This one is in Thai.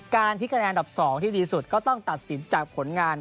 การที่คะแนนอันดับ๒ที่ดีสุดก็ต้องตัดสินจากผลงาน